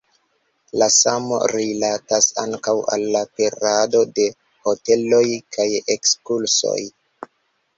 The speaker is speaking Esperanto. La samo rilatas ankaŭ al la perado de hoteloj kaj ekskursoj.